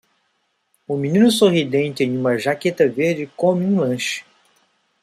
Um menino sorridente em uma jaqueta verde come um lanche